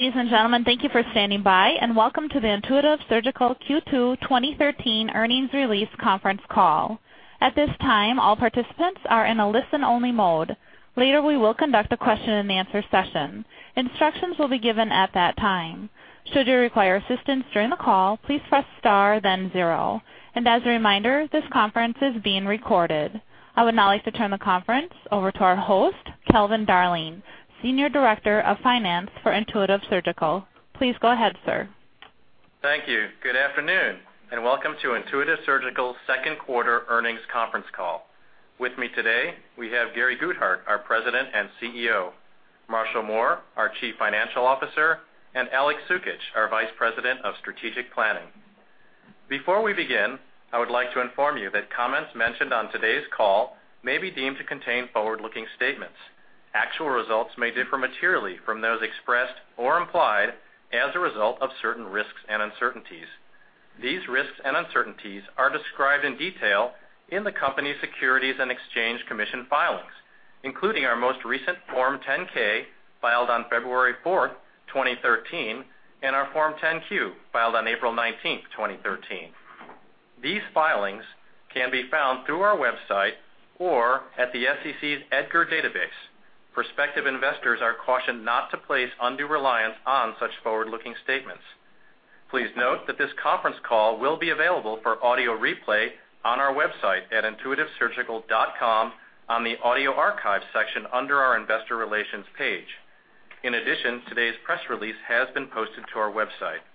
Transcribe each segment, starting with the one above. Ladies and gentlemen, thank you for standing by. Welcome to the Intuitive Surgical Q2 2013 earnings release conference call. At this time, all participants are in a listen-only mode. Later, we will conduct a question-and-answer session. Instructions will be given at that time. Should you require assistance during the call, please press star then zero. As a reminder, this conference is being recorded. I would now like to turn the conference over to our host, Calvin Darling, Senior Director of Finance for Intuitive Surgical. Please go ahead, sir. Thank you. Good afternoon. Welcome to Intuitive Surgical second quarter earnings conference call. With me today, we have Gary Guthart, our President and CEO, Marshall Mohr, our Chief Financial Officer, and Aleksandr Cukic, our Vice President of Strategic Planning. Before we begin, I would like to inform you that comments mentioned on today's call may be deemed to contain forward-looking statements. Actual results may differ materially from those expressed or implied as a result of certain risks and uncertainties. These risks and uncertainties are described in detail in the company's Securities and Exchange Commission filings, including our most recent Form 10-K filed on February 4, 2013, and our Form 10-Q, filed on April 19, 2013. These filings can be found through our website or at the SEC's EDGAR database. Prospective investors are cautioned not to place undue reliance on such forward-looking statements. Please note that this conference call will be available for audio replay on our website at intuitivesurgical.com on the audio archive section under our investor relations page. In addition, today's press release has been posted to our website.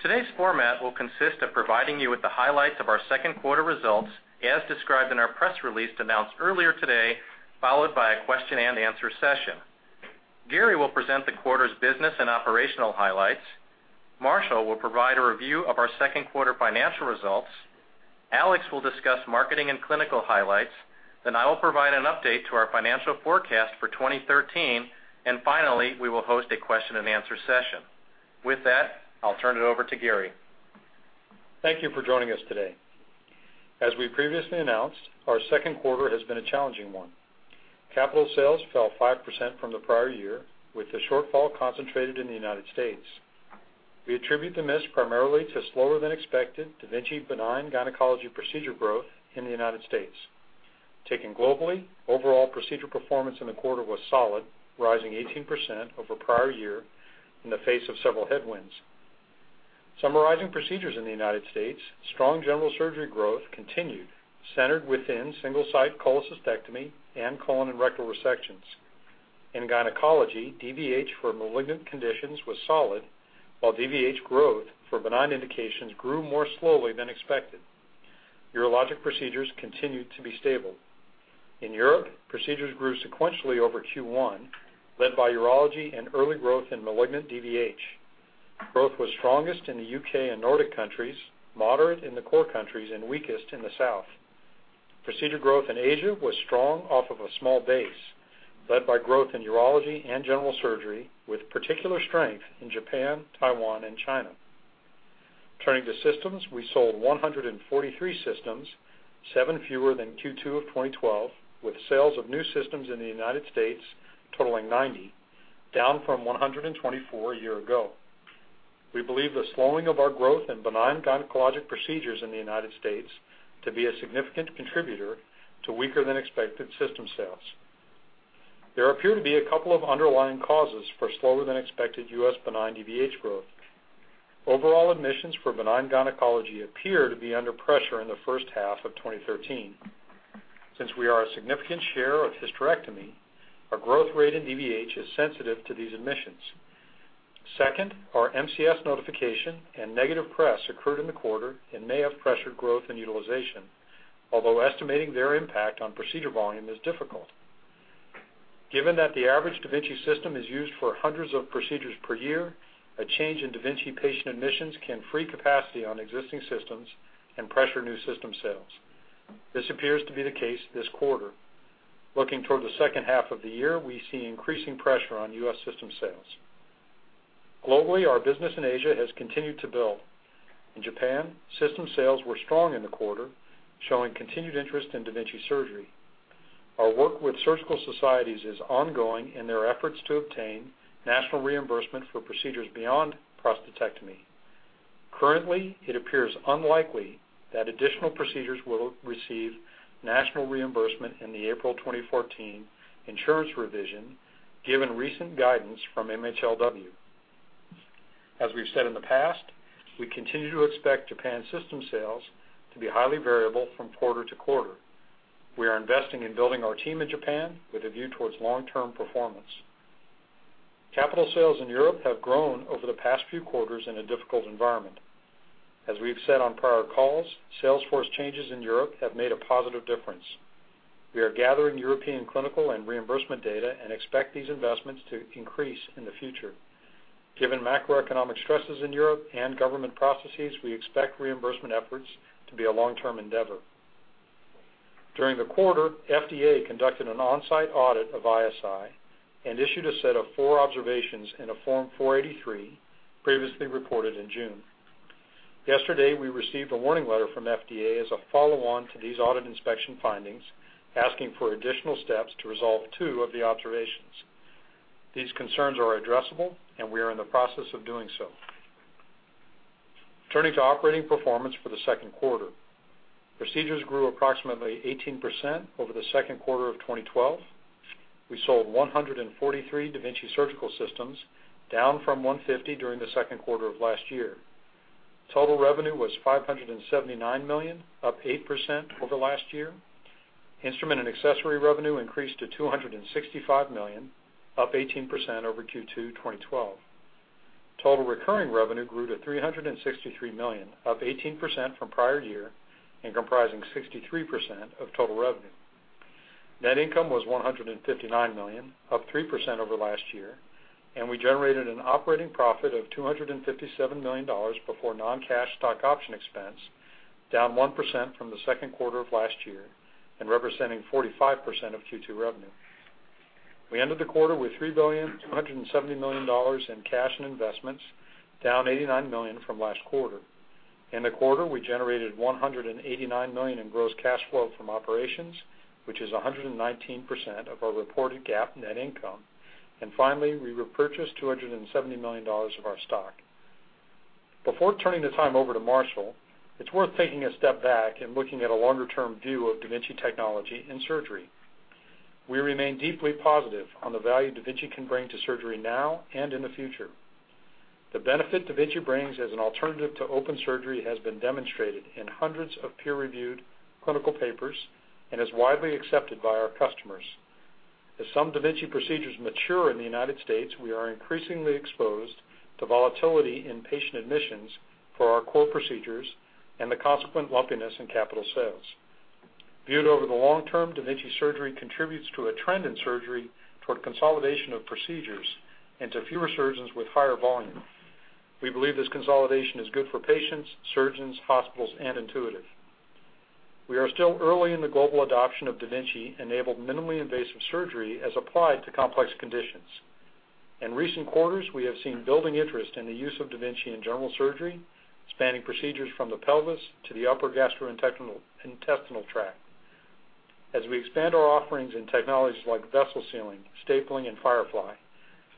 Today's format will consist of providing you with the highlights of our second quarter results, as described in our press release announced earlier today, followed by a question-and-answer session. Gary will present the quarter's business and operational highlights. Marshall will provide a review of our second quarter financial results. Alex will discuss marketing and clinical highlights. I will provide an update to our financial forecast for 2013. Finally, we will host a question-and-answer session. With that, I'll turn it over to Gary. Thank you for joining us today. As we previously announced, our second quarter has been a challenging one. Capital sales fell 5% from the prior year, with the shortfall concentrated in the U.S. We attribute the miss primarily to slower than expected da Vinci benign gynecology procedure growth in the U.S. Taken globally, overall procedure performance in the quarter was solid, rising 18% over prior year in the face of several headwinds. Summarizing procedures in the U.S., strong general surgery growth continued, centered within Single-Site cholecystectomy and colon and rectal resections. In gynecology, DVH for malignant conditions was solid, while DVH growth for benign indications grew more slowly than expected. Urologic procedures continued to be stable. In Europe, procedures grew sequentially over Q1, led by urology and early growth in malignant DVH. Growth was strongest in the U.K. and Nordic countries, moderate in the core countries, and weakest in the south. Procedure growth in Asia was strong off of a small base, led by growth in urology and general surgery, with particular strength in Japan, Taiwan, and China. Turning to systems, we sold 143 systems, seven fewer than Q2 of 2012, with sales of new systems in the U.S. totaling 90, down from 124 a year ago. We believe the slowing of our growth in benign gynecologic procedures in the U.S. to be a significant contributor to weaker than expected system sales. There appear to be a couple of underlying causes for slower than expected U.S. benign DVH growth. Overall admissions for benign gynecology appear to be under pressure in the first half of 2013. Since we are a significant share of hysterectomy, our growth rate in DVH is sensitive to these admissions. Second, our MCS notification and negative press occurred in the quarter and may have pressured growth and utilization, although estimating their impact on procedure volume is difficult. Given that the average da Vinci system is used for hundreds of procedures per year, a change in da Vinci patient admissions can free capacity on existing systems and pressure new system sales. This appears to be the case this quarter. Looking toward the second half of the year, we see increasing pressure on U.S. system sales. Globally, our business in Asia has continued to build. In Japan, system sales were strong in the quarter, showing continued interest in da Vinci surgery. Our work with surgical societies is ongoing in their efforts to obtain national reimbursement for procedures beyond prostatectomy. Currently, it appears unlikely that additional procedures will receive national reimbursement in the April 2014 insurance revision, given recent guidance from MHLW. As we've said in the past, we continue to expect Japan system sales to be highly variable from quarter to quarter. We are investing in building our team in Japan with a view towards long-term performance. Capital sales in Europe have grown over the past few quarters in a difficult environment. As we've said on prior calls, sales force changes in Europe have made a positive difference. We are gathering European clinical and reimbursement data and expect these investments to increase in the future. Given macroeconomic stresses in Europe and government processes, we expect reimbursement efforts to be a long-term endeavor. During the quarter, FDA conducted an on-site audit of ISI and issued a set of four observations in a Form 483 previously reported in June. Yesterday, we received a warning letter from FDA as a follow-on to these audit inspection findings, asking for additional steps to resolve two of the observations. These concerns are addressable, and we are in the process of doing so. Turning to operating performance for the second quarter. Procedures grew approximately 18% over the second quarter of 2012. We sold 143 da Vinci surgical systems, down from 150 during the second quarter of last year. Total revenue was $579 million, up 8% over last year. Instrument and accessory revenue increased to $265 million, up 18% over Q2 2012. Total recurring revenue grew to $363 million, up 18% from prior year and comprising 63% of total revenue. Net income was $159 million, up 3% over last year, we generated an operating profit of $257 million before non-cash stock option expense, down 1% from the second quarter of last year and representing 45% of Q2 revenue. We ended the quarter with $3,270 million in cash and investments, down $89 million from last quarter. In the quarter, we generated $189 million in gross cash flow from operations, which is 119% of our reported GAAP net income. Finally, we repurchased $270 million of our stock. Before turning the time over to Marshall, it's worth taking a step back and looking at a longer-term view of da Vinci technology in surgery. We remain deeply positive on the value da Vinci can bring to surgery now and in the future. The benefit da Vinci brings as an alternative to open surgery has been demonstrated in hundreds of peer-reviewed clinical papers and is widely accepted by our customers. As some da Vinci procedures mature in the United States, we are increasingly exposed to volatility in patient admissions for our core procedures and the consequent lumpiness in capital sales. Viewed over the long term, da Vinci surgery contributes to a trend in surgery toward consolidation of procedures and to fewer surgeons with higher volume. We believe this consolidation is good for patients, surgeons, hospitals, and Intuitive. We are still early in the global adoption of da Vinci-enabled minimally invasive surgery as applied to complex conditions. In recent quarters, we have seen building interest in the use of da Vinci in general surgery, spanning procedures from the pelvis to the upper gastrointestinal tract. As we expand our offerings in technologies like vessel sealing, stapling, and Firefly,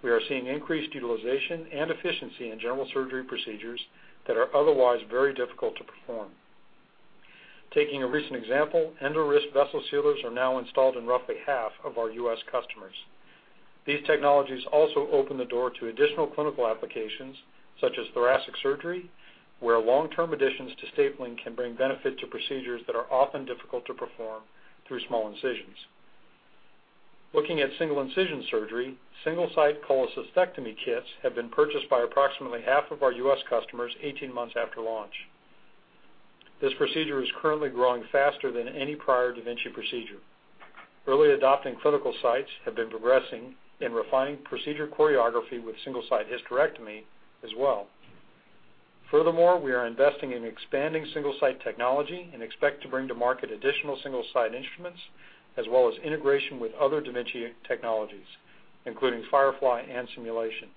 we are seeing increased utilization and efficiency in general surgery procedures that are otherwise very difficult to perform. Taking a recent example, EndoWrist Vessel Sealers are now installed in roughly half of our U.S. customers. These technologies also open the door to additional clinical applications, such as thoracic surgery, where long-term additions to stapling can bring benefit to procedures that are often difficult to perform through small incisions. Looking at single-incision surgery, Single-Site cholecystectomy kits have been purchased by approximately half of our U.S. customers 18 months after launch. This procedure is currently growing faster than any prior da Vinci procedure. Early adopting clinical sites have been progressing in refining procedure choreography with Single-Site hysterectomy as well. Furthermore, we are investing in expanding Single-Site technology and expect to bring to market additional Single-Site instruments as well as integration with other da Vinci technologies, including Firefly and simulation.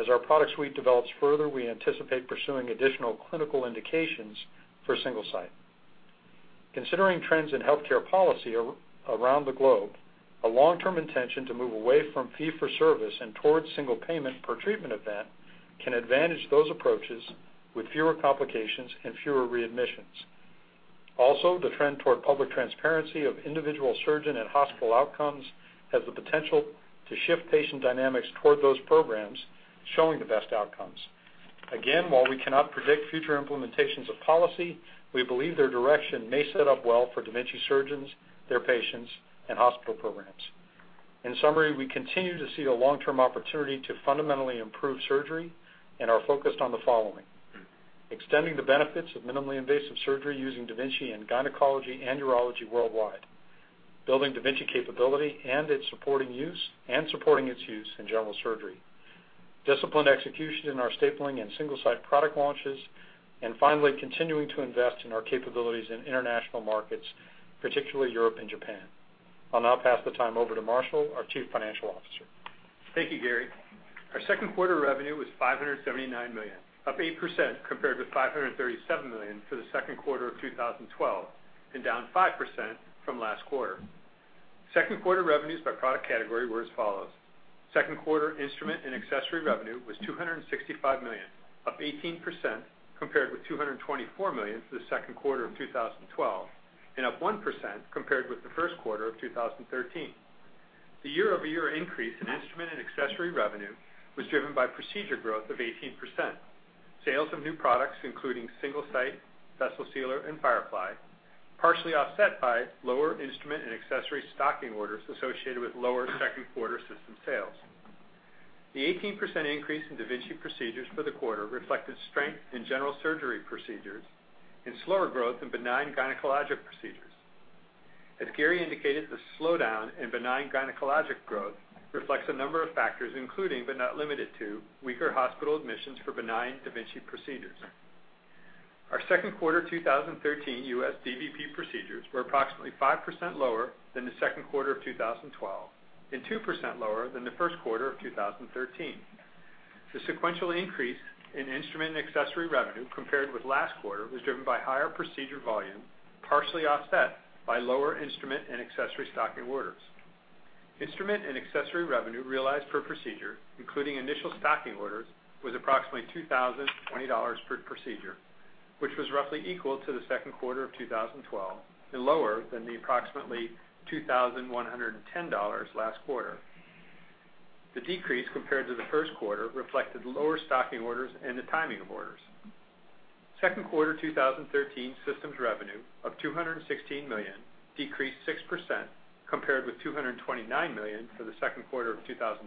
As our product suite develops further, we anticipate pursuing additional clinical indications for Single-Site. Considering trends in healthcare policy around the globe, a long-term intention to move away from fee-for-service and towards single payment per treatment event can advantage those approaches with fewer complications and fewer readmissions. Also, the trend toward public transparency of individual surgeon and hospital outcomes has the potential to shift patient dynamics toward those programs showing the best outcomes. Again, while we cannot predict future implementations of policy, we believe their direction may set up well for da Vinci surgeons, their patients, and hospital programs. In summary, we continue to see a long-term opportunity to fundamentally improve surgery and are focused on the following. Extending the benefits of minimally invasive surgery using da Vinci in gynecology and urology worldwide. Building da Vinci capability and its supporting use, supporting its use in general surgery. Disciplined execution in our stapling and Single-Site product launches. Finally, continuing to invest in our capabilities in international markets, particularly Europe and Japan. I'll now pass the time over to Marshall, our Chief Financial Officer. Thank you, Gary. Our second quarter revenue was $579 million, up 8% compared with $537 million for the second quarter of 2012 and down 5% from last quarter. Second quarter revenues by product category were as follows. Second quarter instrument and accessory revenue was $265 million, up 18% compared with $224 million for the second quarter of 2012 and up 1% compared with the first quarter of 2013. The year-over-year increase in instrument and accessory revenue was driven by procedure growth of 18%. Sales of new products, including Single-Site, Vessel Sealer, and Firefly, partially offset by lower instrument and accessory stocking orders associated with lower second quarter system sales. The 18% increase in da Vinci procedures for the quarter reflected strength in general surgery procedures and slower growth in benign gynecologic procedures. As Gary indicated, the slowdown in benign gynecologic growth reflects a number of factors, including, but not limited to, weaker hospital admissions for benign da Vinci procedures. Our second quarter 2013 U.S. DVP procedures were approximately 5% lower than the second quarter of 2012 and 2% lower than the first quarter of 2013. The sequential increase in instrument and accessory revenue compared with last quarter was driven by higher procedure volume, partially offset by lower instrument and accessory stocking orders. Instrument and accessory revenue realized per procedure, including initial stocking orders, was approximately $2,020 per procedure, which was roughly equal to the second quarter of 2012 and lower than the approximately $2,110 last quarter. The decrease compared to the first quarter reflected lower stocking orders and the timing of orders. Second quarter 2013 systems revenue of $216 million decreased 6%, compared with $229 million for the second quarter of 2012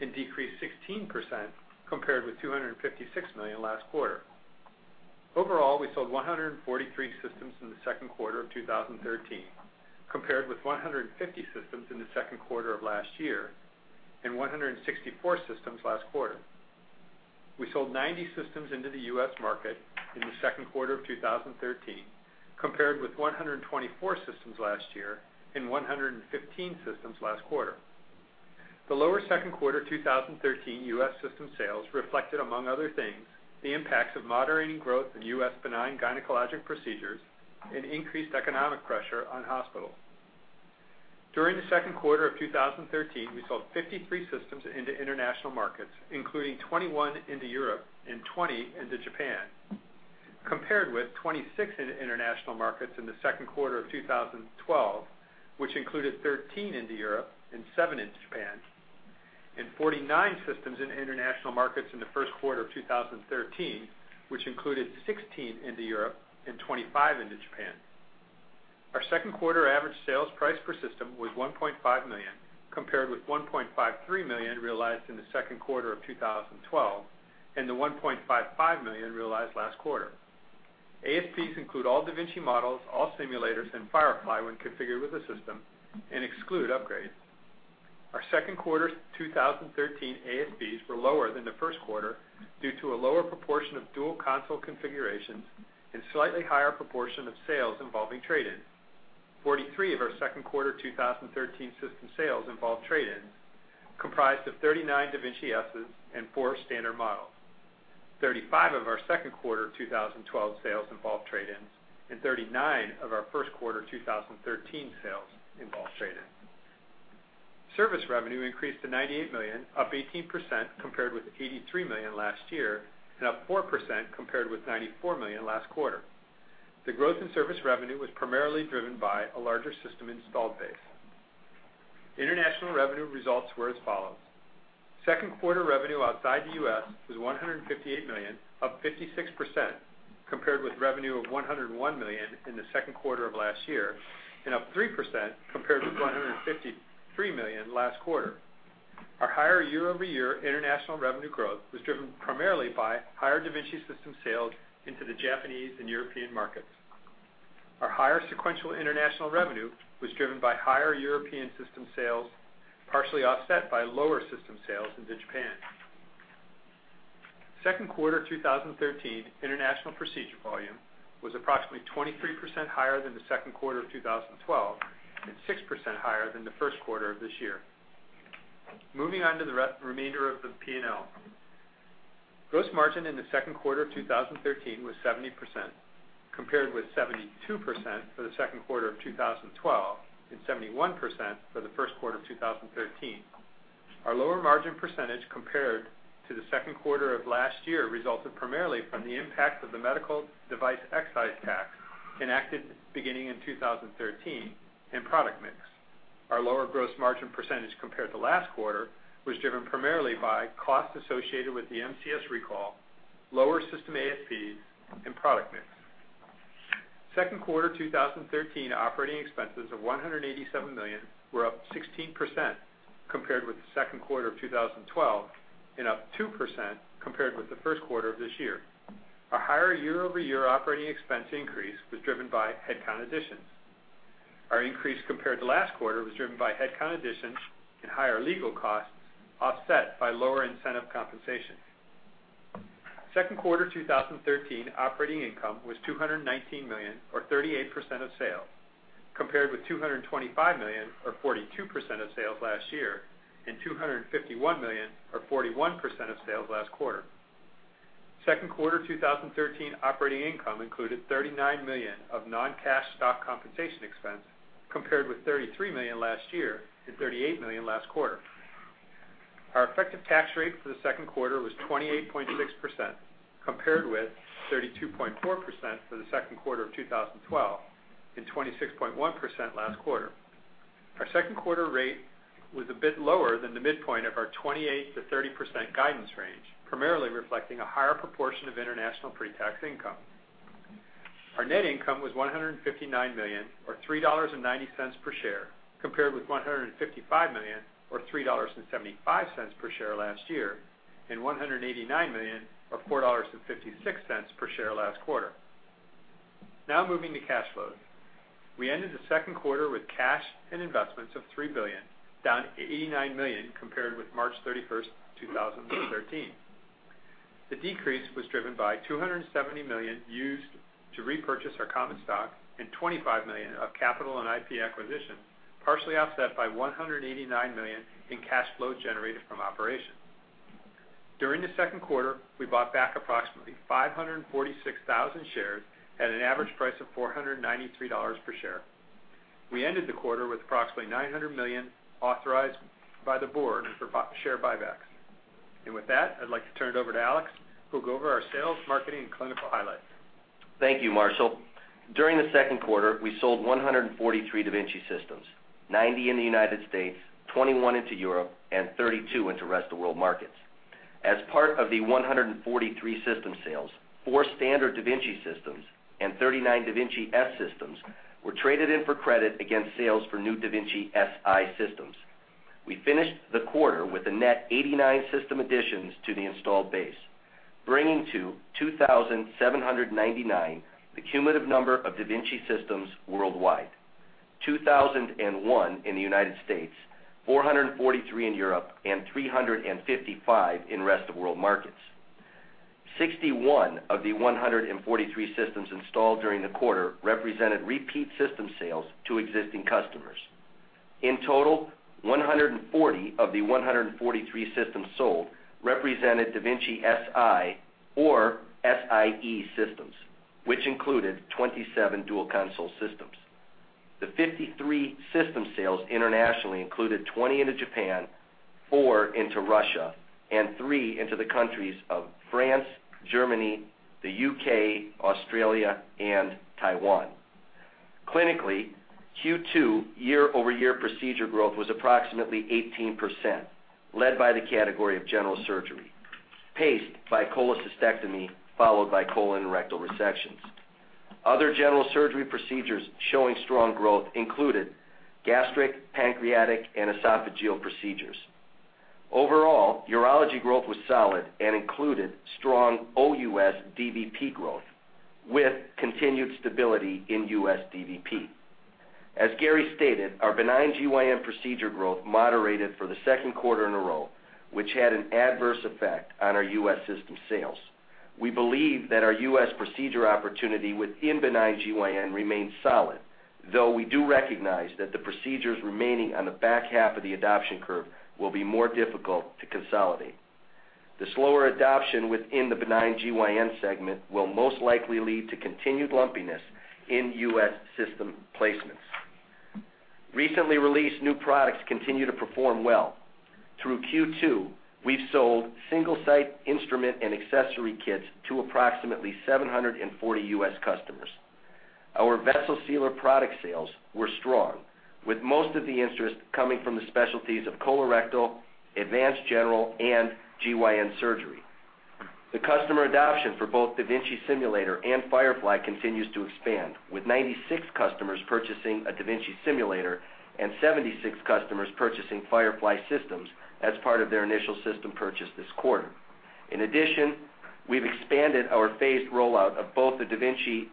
and decreased 16% compared with $256 million last quarter. Overall, we sold 143 systems in the second quarter of 2013, compared with 150 systems in the second quarter of last year and 164 systems last quarter. We sold 90 systems into the U.S. market in the second quarter of 2013, compared with 124 systems last year and 115 systems last quarter. The lower second quarter 2013 U.S. system sales reflected, among other things, the impacts of moderating growth in U.S. benign gynecologic procedures and increased economic pressure on hospitals. During the second quarter of 2013, we sold 53 systems into international markets, including 21 into Europe and 20 into Japan, compared with 26 in international markets in the second quarter of 2012, which included 13 into Europe and seven into Japan, and 49 systems in international markets in the first quarter of 2013, which included 16 into Europe and 25 into Japan. Our second quarter average sales price per system was $1.5 million, compared with $1.53 million realized in the second quarter of 2012 and the $1.55 million realized last quarter. ASPs include all da Vinci models, all simulators, and Firefly when configured with a system and exclude upgrades. Our second quarter 2013 ASPs were lower than the first quarter due to a lower proportion of dual console configurations and slightly higher proportion of sales involving trade-ins. 43 of our second quarter 2013 system sales involved trade-ins, comprised of 39 da Vinci Ss and four standard models. 35 of our second quarter 2012 sales involved trade-ins. 39 of our first quarter 2013 sales involved trade-ins. Service revenue increased to $98 million, up 18% compared with $83 million last year, and up 4% compared with $94 million last quarter. The growth in service revenue was primarily driven by a larger system installed base. International revenue results were as follows: second quarter revenue outside the U.S. was $158 million, up 56%, compared with revenue of $101 million in the second quarter of last year and up 3% compared with $153 million last quarter. Our higher year-over-year international revenue growth was driven primarily by higher da Vinci system sales into the Japanese and European markets. Our higher sequential international revenue was driven by higher European system sales, partially offset by lower system sales into Japan. Second quarter 2013 international procedure volume was approximately 23% higher than the second quarter of 2012 and 6% higher than the first quarter of this year. Moving on to the remainder of the P&L. Gross margin in the second quarter of 2013 was 70%, compared with 72% for the second quarter of 2012 and 71% for the first quarter of 2013. Our lower margin percentage compared to the second quarter of last year resulted primarily from the impact of the medical device excise tax enacted beginning in 2013 and product mix. Our lower gross margin percentage compared to last quarter was driven primarily by costs associated with the MCS recall, lower system ASPs, and product mix. Second quarter 2013 operating expenses of $187 million were up 16% compared with the second quarter of 2012 and up 2% compared with the first quarter of this year. Our higher year-over-year operating expense increase was driven by headcount additions. Our increase compared to last quarter was driven by headcount additions and higher legal costs, offset by lower incentive compensation. Second quarter 2013 operating income was $219 million, or 38% of sales, compared with $225 million, or 42% of sales last year, and $251 million, or 41% of sales last quarter. Second quarter 2013 operating income included $39 million of non-cash stock compensation expense, compared with $33 million last year and $38 million last quarter. Our effective tax rate for the second quarter was 28.6%, compared with 32.4% for the second quarter of 2012 and 26.1% last quarter. Our second quarter rate was a bit lower than the midpoint of our 28%-30% guidance range, primarily reflecting a higher proportion of international pre-tax income. Our net income was $159 million, or $3.90 per share, compared with $155 million, or $3.75 per share last year, and $189 million or $4.56 per share last quarter. Moving to cash flow. We ended the second quarter with cash and investments of $3 billion, down $89 million compared with March 31, 2013. The decrease was driven by $270 million used to repurchase our common stock and $25 million of capital and IP acquisition, partially offset by $189 million in cash flow generated from operations. During the second quarter, we bought back approximately 546,000 shares at an average price of $493 per share. We ended the quarter with approximately $900 million authorized by the board for share buybacks. With that, I'd like to turn it over to Alex, who'll go over our sales, marketing, and clinical highlights. Thank you, Marshall. During the second quarter, we sold 143 da Vinci systems, 90 in the U.S., 21 into Europe, and 32 into rest of world markets. As part of the 143 system sales, four standard da Vinci systems and 39 da Vinci S systems were traded in for credit against sales for new da Vinci Si systems. We finished the quarter with a net 89 system additions to the installed base, bringing to 2,799 the cumulative number of da Vinci systems worldwide. 2,001 in the U.S., 443 in Europe, and 355 in rest of world markets. 61 of the 143 systems installed during the quarter represented repeat system sales to existing customers. In total, 140 of the 143 systems sold represented da Vinci Si or Si-e systems, which included 27 dual console systems. The 53 system sales internationally included 20 into Japan, four into Russia, and three into the countries of France, Germany, the U.K., Australia, and Taiwan. Clinically, Q2 year-over-year procedure growth was approximately 18%, led by the category of general surgery, paced by cholecystectomy, followed by colon and rectal resections. Other general surgery procedures showing strong growth included gastric, pancreatic, and esophageal procedures. Overall, urology growth was solid and included strong OUS DVP growth with continued stability in U.S. DVP. As Gary stated, our benign GYN procedure growth moderated for the second quarter in a row, which had an adverse effect on our U.S. system sales. We believe that our U.S. procedure opportunity within benign GYN remains solid, though we do recognize that the procedures remaining on the back half of the adoption curve will be more difficult to consolidate. The slower adoption within the benign GYN segment will most likely lead to continued lumpiness in U.S. system placements. Recently released new products continue to perform well. Through Q2, we've sold Single-Site instrument and accessory kits to approximately 740 U.S. customers. Our vessel sealer product sales were strong, with most of the interest coming from the specialties of colorectal, advanced general, and GYN surgery. The customer adoption for both da Vinci Skills Simulator and Firefly continues to expand, with 96 customers purchasing a da Vinci Skills Simulator and 76 customers purchasing Firefly systems as part of their initial system purchase this quarter. In addition, we've expanded our phased rollout of both the da Vinci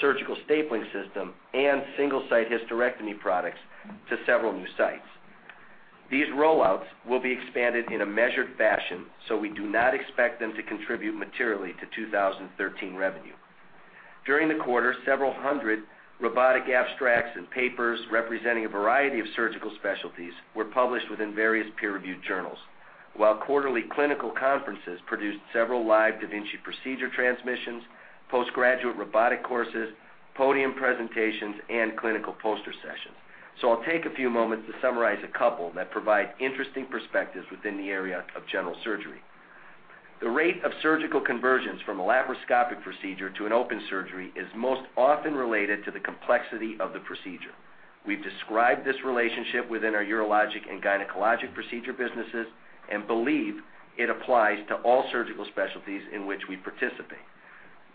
surgical stapling system and Single-Site hysterectomy products to several new sites. These rollouts will be expanded in a measured fashion, so we do not expect them to contribute materially to 2013 revenue. During the quarter, several hundred robotic abstracts and papers representing a variety of surgical specialties were published within various peer-reviewed journals. While quarterly clinical conferences produced several live da Vinci procedure transmissions, post-graduate robotic courses, podium presentations, and clinical poster sessions. I'll take a few moments to summarize a couple that provide interesting perspectives within the area of general surgery. The rate of surgical conversions from a laparoscopic procedure to an open surgery is most often related to the complexity of the procedure. We've described this relationship within our urologic and gynecologic procedure businesses and believe it applies to all surgical specialties in which we participate.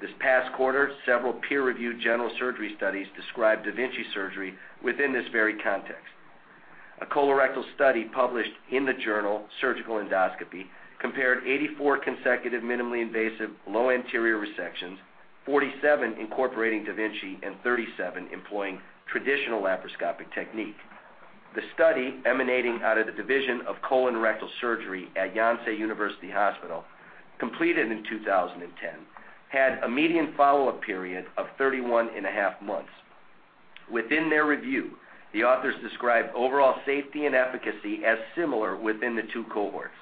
This past quarter, several peer-reviewed general surgery studies described da Vinci surgery within this very context. A colorectal study published in the journal Surgical Endoscopy compared 84 consecutive minimally invasive low anterior resections, 47 incorporating da Vinci and 37 employing traditional laparoscopic technique. The study, emanating out of the division of colon and rectal surgery at Yonsei University Hospital, completed in 2010, had a median follow-up period of 31 and a half months. Within their review, the authors described overall safety and efficacy as similar within the two cohorts.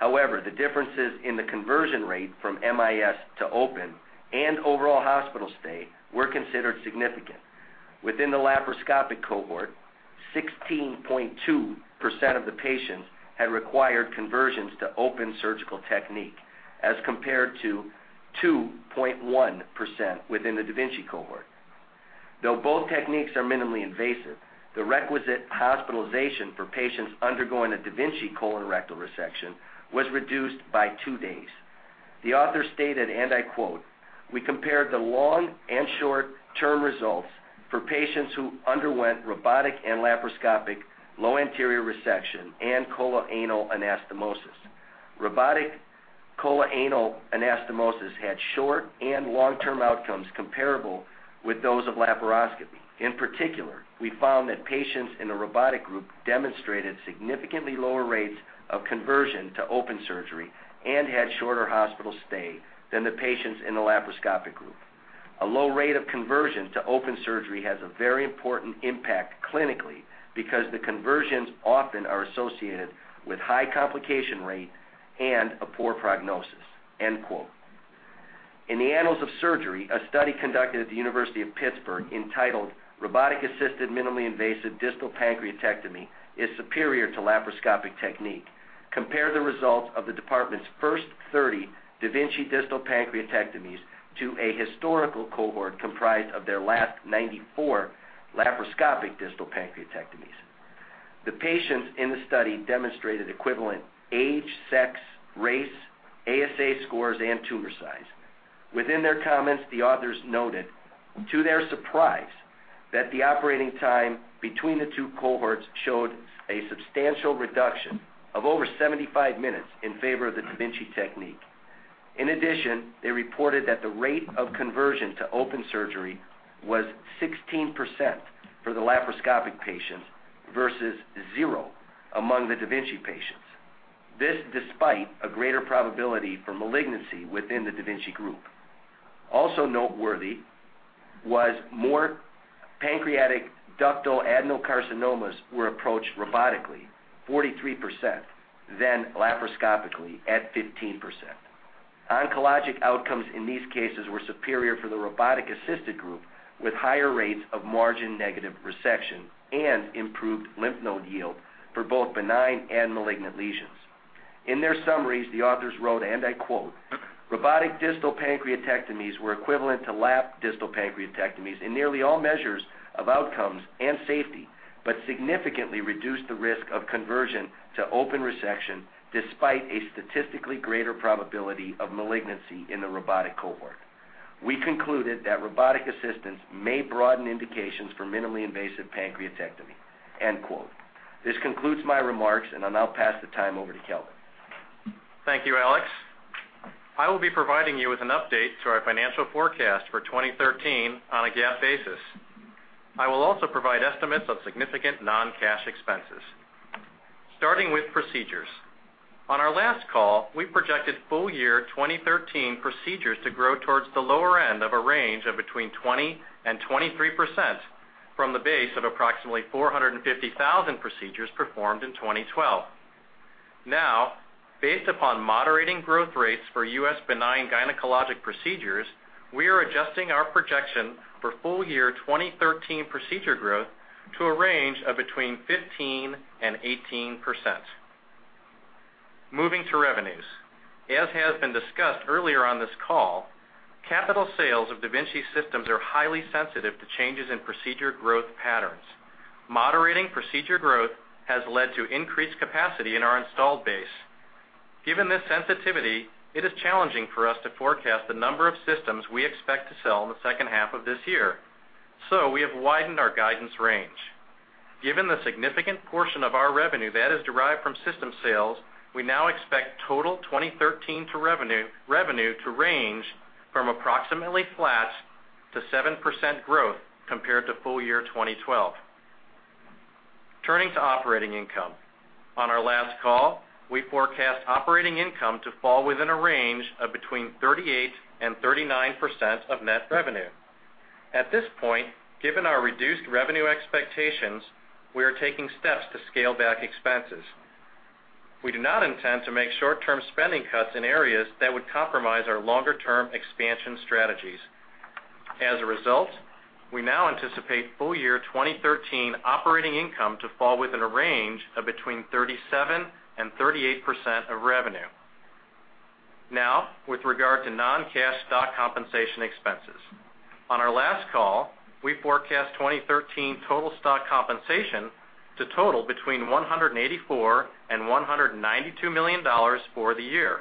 However, the differences in the conversion rate from MIS to open and overall hospital stay were considered significant. Within the laparoscopic cohort, 16.2% of the patients had required conversions to open surgical technique as compared to 2.1% within the da Vinci cohort. Though both techniques are minimally invasive, the requisite hospitalization for patients undergoing a da Vinci colon rectal resection was reduced by two days. The author stated, and I quote, "We compared the long and short-term results for patients who underwent robotic and laparoscopic low anterior resection and coloanal anastomosis. Robotic coloanal anastomosis had short and long-term outcomes comparable with those of laparoscopy. We found that patients in the robotic group demonstrated significantly lower rates of conversion to open surgery and had shorter hospital stay than the patients in the laparoscopic group. A low rate of conversion to open surgery has a very important impact clinically because the conversions often are associated with high complication rate and a poor prognosis." In the Annals of Surgery, a study conducted at the University of Pittsburgh entitled Robotic-Assisted Minimally Invasive Distal Pancreatectomy is Superior to Laparoscopic Technique compared the results of the department's first 30 da Vinci distal pancreatectomies to a historical cohort comprised of their last 94 laparoscopic distal pancreatectomies. The patients in the study demonstrated equivalent age, sex, race, ASA scores, and tumor size. Within their comments, the authors noted, to their surprise, that the operating time between the two cohorts showed a substantial reduction of over 75 minutes in favor of the da Vinci technique. In addition, they reported that the rate of conversion to open surgery was 16% for the laparoscopic patients versus zero among the da Vinci patients. This despite a greater probability for malignancy within the da Vinci group. Also noteworthy was more pancreatic ductal adenocarcinomas were approached robotically, 43%, than laparoscopically at 15%. Oncologic outcomes in these cases were superior for the robotic-assisted group with higher rates of margin-negative resection and improved lymph node yield for both benign and malignant lesions. In their summaries, the authors wrote, and I quote, "Robotic distal pancreatectomies were equivalent to lap distal pancreatectomies in nearly all measures of outcomes and safety but significantly reduced the risk of conversion to open resection despite a statistically greater probability of malignancy in the robotic cohort. We concluded that robotic assistance may broaden indications for minimally invasive pancreatectomy." This concludes my remarks, and I'll now pass the time over to Calvin. Thank you, Alex. I will be providing you with an update to our financial forecast for 2013 on a GAAP basis. I will also provide estimates of significant non-cash expenses. Starting with procedures. On our last call, we projected full year 2013 procedures to grow towards the lower end of a range of between 20% and 23% from the base of approximately 450,000 procedures performed in 2012. Based upon moderating growth rates for U.S. benign gynecologic procedures, we are adjusting our projection for full year 2013 procedure growth to a range of between 15% and 18%. Moving to revenues. As has been discussed earlier on this call, capital sales of da Vinci systems are highly sensitive to changes in procedure growth patterns. Moderating procedure growth has led to increased capacity in our installed base. Given this sensitivity, it is challenging for us to forecast the number of systems we expect to sell in the second half of this year. We have widened our guidance range. Given the significant portion of our revenue that is derived from system sales, we now expect total 2013 revenue to range from approximately flat to 7% growth compared to full year 2012. Turning to operating income. On our last call, we forecast operating income to fall within a range of between 38% and 39% of net revenue. At this point, given our reduced revenue expectations, we are taking steps to scale back expenses. We do not intend to make short-term spending cuts in areas that would compromise our longer-term expansion strategies. As a result, we now anticipate full year 2013 operating income to fall within a range of between 37% and 38% of revenue. With regard to non-cash stock compensation expenses. On our last call, we forecast 2013 total stock compensation to total between $184 and $192 million for the year.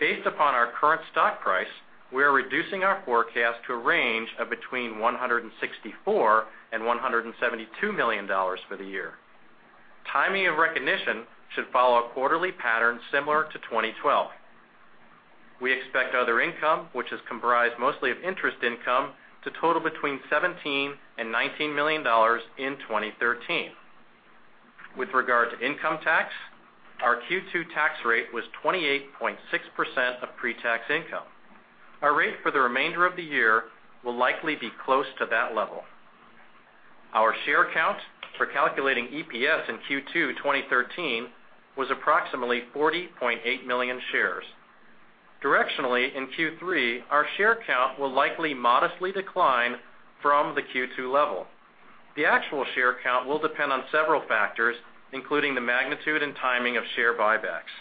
Based upon our current stock price, we are reducing our forecast to a range of between $164 and $172 million for the year. Timing of recognition should follow a quarterly pattern similar to 2012. We expect other income, which is comprised mostly of interest income, to total between $17 and $19 million in 2013. With regard to income tax, our Q2 tax rate was 28.6% of pre-tax income. Our rate for the remainder of the year will likely be close to that level. Our share count for calculating EPS in Q2 2013 was approximately 40.8 million shares. Directionally, in Q3, our share count will likely modestly decline from the Q2 level. The actual share count will depend on several factors, including the magnitude and timing of share buybacks.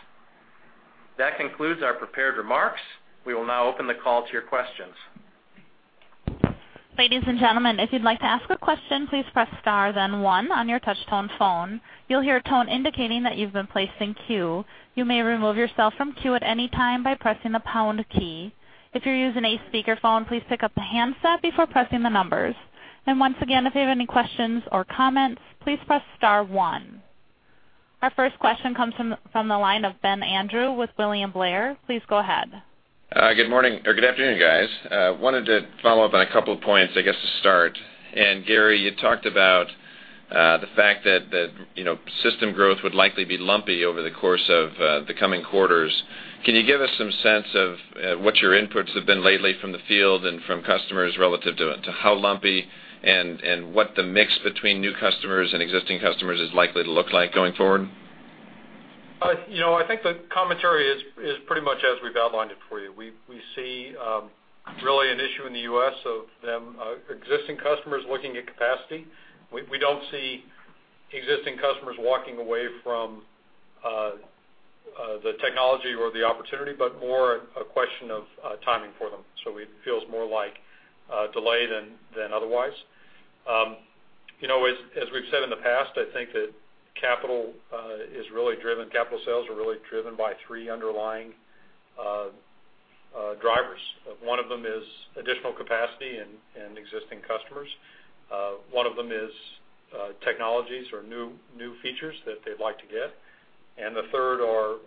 That concludes our prepared remarks. We will now open the call to your questions. Ladies and gentlemen, if you'd like to ask a question, please press star, then one on your touch tone phone. You'll hear a tone indicating that you've been placed in queue. You may remove yourself from queue at any time by pressing the pound key. If you're using a speakerphone, please pick up the handset before pressing the numbers. Once again, if you have any questions or comments, please press star one. Our first question comes from the line of Ben Andrew with William Blair. Please go ahead. Good morning or good afternoon, guys. Wanted to follow up on a couple of points, I guess, to start. Gary, you talked about the fact that system growth would likely be lumpy over the course of the coming quarters. Can you give us some sense of what your inputs have been lately from the field and from customers relative to how lumpy and what the mix between new customers and existing customers is likely to look like going forward? I think the commentary is pretty much as we've outlined it for you. We see really an issue in the U.S. of them existing customers looking at capacity. We don't see existing customers walking away from the technology or the opportunity, but more a question of timing for them. It feels more like a delay than otherwise. As we've said in the past, I think that capital sales are really driven by three underlying drivers. One of them is additional capacity and existing customers. One of them is technologies or new features that they'd like to get. The third are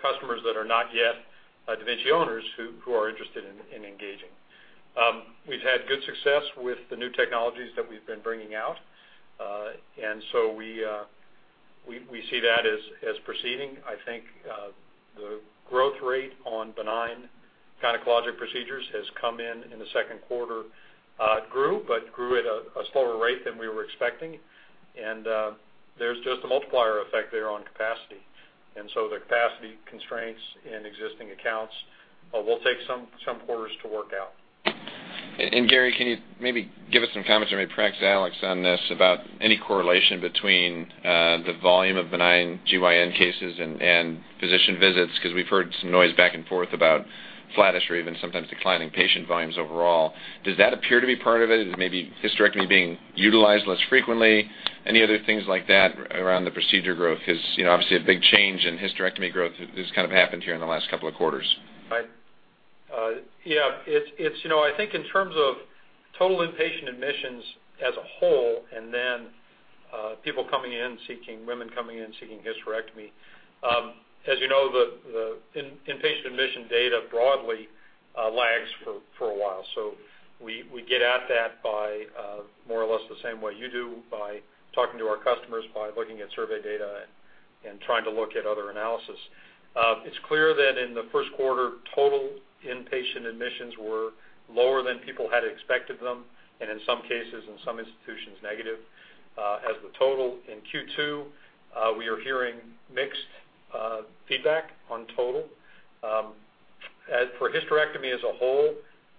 customers that are not yet da Vinci owners who are interested in engaging. We've had good success with the new technologies that we've been bringing out. We see that as proceeding. I think the growth rate on benign gynecologic procedures has come in the second quarter, grew, but grew at a slower rate than we were expecting. There's just a multiplier effect there on capacity. The capacity constraints in existing accounts will take some quarters to work out. Gary, can you maybe give us some commentary, maybe proxy Alex on this, about any correlation between the volume of benign GYN cases and physician visits? We've heard some noise back and forth about flattish or even sometimes declining patient volumes overall. Does that appear to be part of it? Is it maybe hysterectomy being utilized less frequently? Any other things like that around the procedure growth? Obviously a big change in hysterectomy growth has kind of happened here in the last couple of quarters. Right. Yeah. I think in terms of total inpatient admissions as a whole, then people coming in seeking, women coming in seeking hysterectomy. As you know, the inpatient admission data broadly lags for a while. We get at that by more or less the same way you do by talking to our customers, by looking at survey data and trying to look at other analysis. It's clear that in the first quarter, total inpatient admissions were lower than people had expected them, and in some cases, in some institutions, negative. As the total in Q2, we are hearing mixed feedback on total. For hysterectomy as a whole,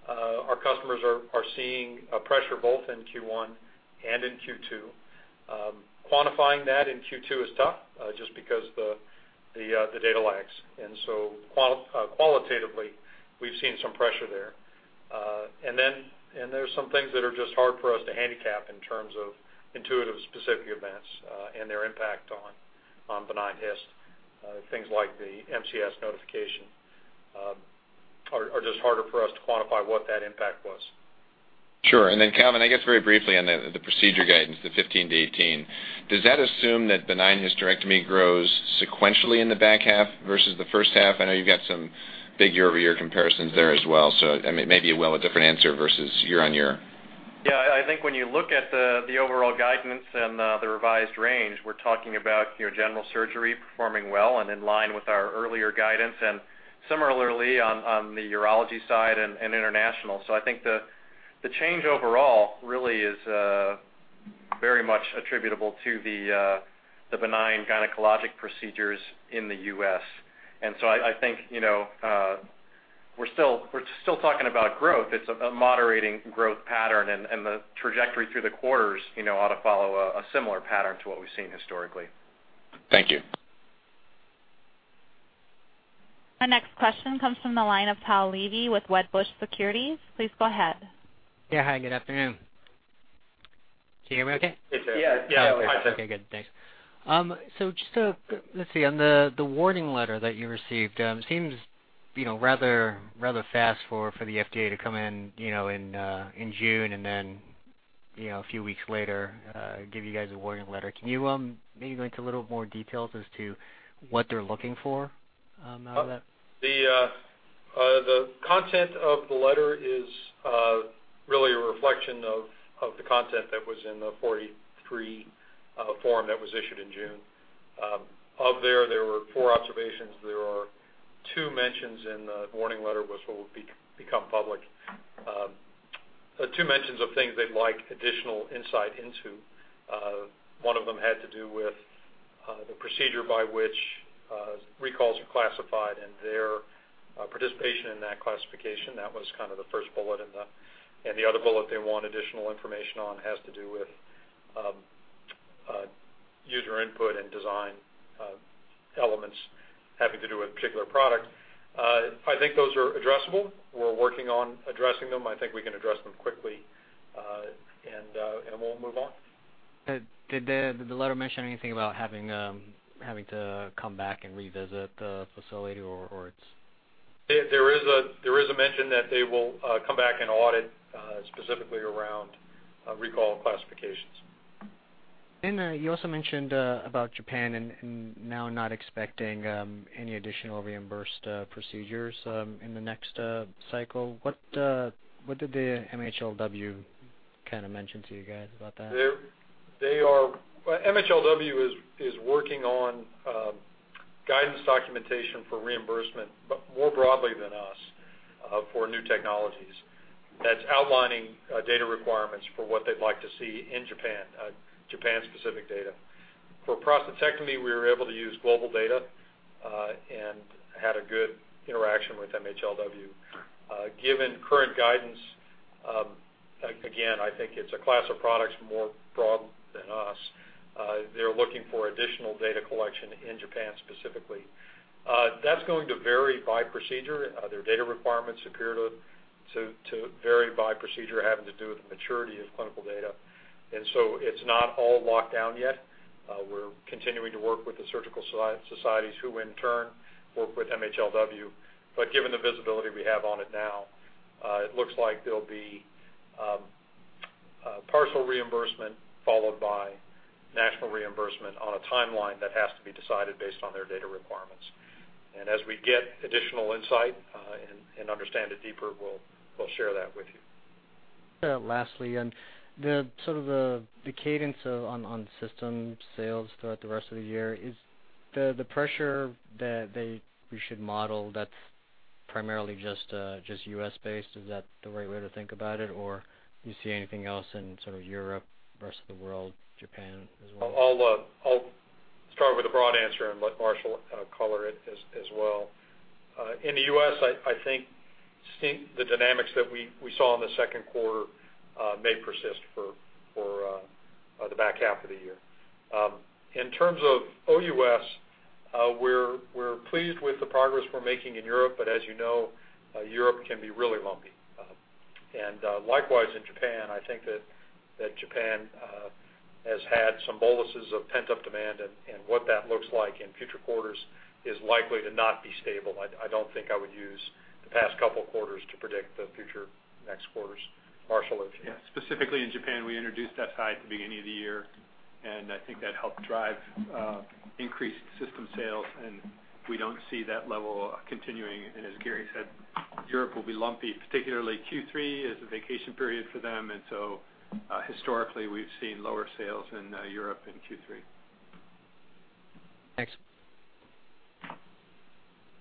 our customers are seeing a pressure both in Q1 and in Q2. Quantifying that in Q2 is tough, just because the data lags. Qualitatively, we've seen some pressure there. There's some things that are just hard for us to handicap in terms of intuitive specific events and their impact on benign hyst. Things like the MCS notification are just harder for us to quantify what that impact was. Sure. Calvin, I guess very briefly on the procedure guidance, the 15-18. Does that assume that benign hysterectomy grows sequentially in the back half versus the first half? I know you've got some big year-over-year comparisons there as well, so maybe you will a different answer versus year-on-year. I think when you look at the overall guidance and the revised range, we're talking about your general surgery performing well and in line with our earlier guidance, and similarly on the urology side and international. I think the change overall really is very much attributable to the benign gynecologic procedures in the U.S. I think we're still talking about growth. It's a moderating growth pattern and the trajectory through the quarters ought to follow a similar pattern to what we've seen historically. Thank you. Our next question comes from the line of Tao Levy with Wedbush Securities. Please go ahead. Yeah, hi, good afternoon. Can you hear me okay? Yes. Yeah. Okay, good. Thanks. Just let's see, on the warning letter that you received, it seems rather fast for the FDA to come in June and then a few weeks later, give you guys a warning letter. Can you maybe go into a little more details as to what they're looking for out of that? The content of the letter is really a reflection of the content that was in the Form 483 that was issued in June. Of there were four observations. There are two mentions in the warning letter was what would become public. Two mentions of things they'd like additional insight into. One of them had to do with the procedure by which recalls are classified and their participation in that classification. That was kind of the first bullet. The other bullet they want additional information on has to do with user input and design elements having to do with a particular product. I think those are addressable. We're working on addressing them. I think we can address them quickly, and we'll move on. Did the letter mention anything about having to come back and revisit the facility or its? There is a mention that they will come back and audit specifically around recall classifications. You also mentioned about Japan now not expecting any additional reimbursed procedures in the next cycle. What did the MHLW mention to you guys about that? MHLW is working on guidance documentation for reimbursement, but more broadly than us for new technologies that's outlining data requirements for what they'd like to see in Japan-specific data. For prostatectomy, we were able to use global data and had a good interaction with MHLW. Given current guidance, again, I think it's a class of products more broad than us. They're looking for additional data collection in Japan specifically. That's going to vary by procedure. Their data requirements appear to vary by procedure, having to do with the maturity of clinical data. So it's not all locked down yet. We're continuing to work with the surgical societies who in turn work with MHLW. Given the visibility we have on it now, it looks like there'll be partial reimbursement followed by national reimbursement on a timeline that has to be decided based on their data requirements. As we get additional insight and understand it deeper, we'll share that with you. Lastly, the cadence on system sales throughout the rest of the year, is the pressure that we should model that's primarily just U.S.-based? Is that the right way to think about it? Or do you see anything else in Europe, rest of the world, Japan as well? I'll start with a broad answer and let Marshall color it as well. In the U.S., I think the dynamics that we saw in the second quarter may persist for the back half of the year. In terms of OUS, we're pleased with the progress we're making in Europe, but as you know, Europe can be really lumpy. Likewise, in Japan, I think that Japan has had some boluses of pent-up demand, and what that looks like in future quarters is likely to not be stable. I don't think I would use the past couple of quarters to predict the future next quarters. Marshall, if you- Specifically in Japan, we introduced Firefly at the beginning of the year, I think that helped drive increased system sales, and we don't see that level continuing. As Gary said, Europe will be lumpy, particularly Q3 is a vacation period for them. Historically, we've seen lower sales in Europe in Q3. Thanks.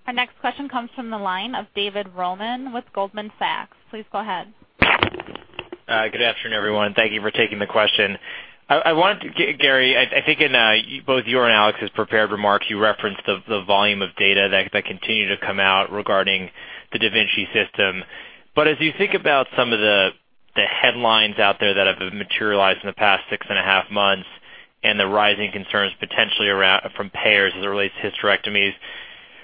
Our next question comes from the line of David Roman with Goldman Sachs. Please go ahead. Good afternoon, everyone. Thank you for taking the question. Gary, I think in both your and Alex's prepared remarks, you referenced the volume of data that continue to come out regarding the da Vinci system. As you think about some of the headlines out there that have materialized in the past six and a half months and the rising concerns potentially from payers as it relates to hysterectomies,